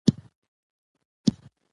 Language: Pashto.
هغه د اصفهان د خلکو لپاره د امن اعلان وکړ.